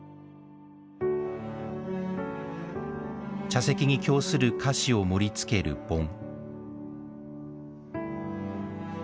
茶席に供する菓子を盛り付ける盆。